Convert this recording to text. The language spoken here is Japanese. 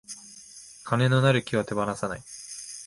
金のなる木は手放さない